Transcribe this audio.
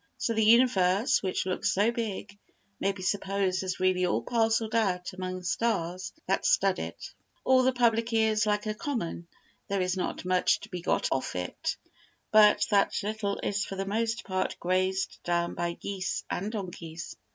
So the universe, which looks so big, may be supposed as really all parcelled out among the stars that stud it. Or the public ear is like a common; there is not much to be got off it, but that little is for the most part grazed down by geese and donkeys.